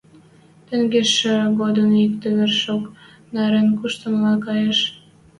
Тенгечшӹ годшен иктӓ вершок нӓрӹк кушмыла каеш.